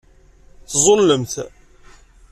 Teẓẓullemt.